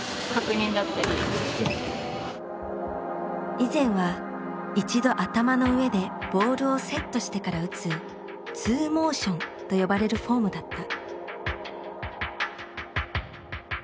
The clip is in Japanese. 以前は一度頭の上でボールをセットしてから打つツーモーションと呼ばれるフォームだった。